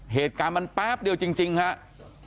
เหตุการณ์มันแป๊บเดียวจริงครับ